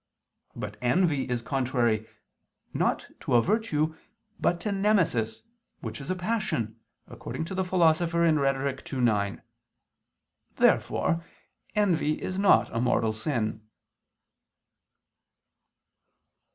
But envy is contrary, not to a virtue but to nemesis, which is a passion, according to the Philosopher (Rhet. ii, 9). Therefore envy is not a mortal sin.